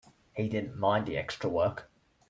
He didn't mind the extra work.